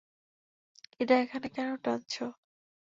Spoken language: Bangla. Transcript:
এটা এখানে কেন টানছো?